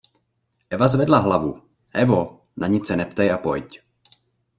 Eva zvedla hlavu, Evo, na nic se neptej a pojď.